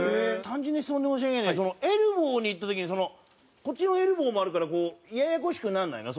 単純な質問で申し訳ないんだけどそのエルボーにいった時にこっちのエルボーもあるからこうややこしくならないの？